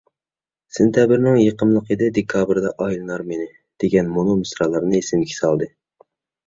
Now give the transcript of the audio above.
«سېنتەبىرنىڭ يېقىملىق ھىدى، دېكابىردا ئايلىنار مېنى» دېگەن مۇنۇ مىسرالارنى ئېسىمگە سالدى.